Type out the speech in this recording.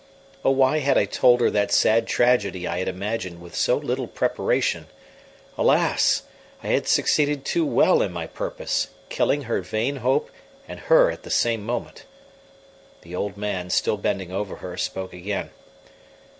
Oh, why had I told her that sad tragedy I had imagined with so little preparation? Alas! I had succeeded too well in my purpose, killing her vain hope and her at the same moment. The old man, still bending over her, spoke again.